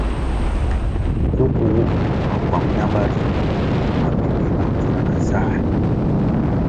Nğu kuğu makuang ñambari mabimbi máh pfuna na nsáh.